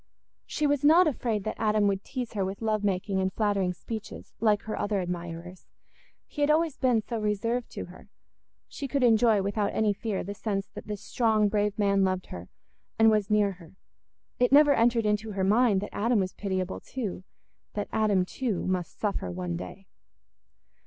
She was not afraid that Adam would tease her with love making and flattering speeches like her other admirers; he had always been so reserved to her; she could enjoy without any fear the sense that this strong brave man loved her and was near her. It never entered into her mind that Adam was pitiable too—that Adam too must suffer one day.